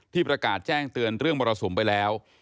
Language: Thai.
ประกาศแจ้งเตือนเรื่องมรสุมไปแล้ว